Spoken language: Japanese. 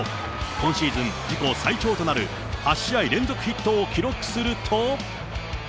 今シーズン自己最長となる８試合連続ヒットを記録すると。